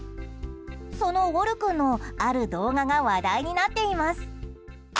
そのウォル君のある動画が話題になっています。